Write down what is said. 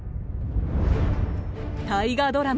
大河ドラマ